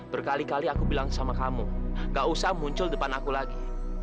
berkali kali aku bilang sama kamu gak usah muncul depan aku lagi